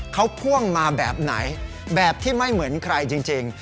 เขาพ่วงมาแบบไหนแบบที่ไม่เหมือนใครจริง